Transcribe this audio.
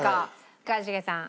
一茂さん。